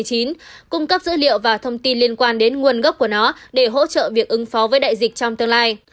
cung cấp dữ liệu và thông tin liên quan đến nguồn gốc của nó để hỗ trợ việc ứng phó với đại dịch trong tương lai